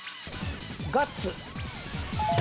ガッツ。